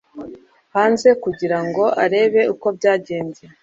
hanze kugira ngo arebe uko byagenze